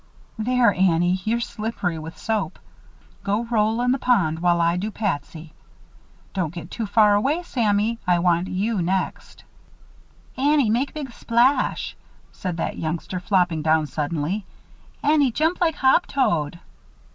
There, Annie, you're slippery with soap. Go roll in the pond while I do Patsy. Don't get too far away, Sammy, I want you next." "Annie make big splash," said that youngster, flopping down, suddenly. "Annie jump like hop toad."